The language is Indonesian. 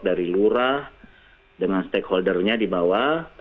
dari lurah dengan stakeholder nya di bawah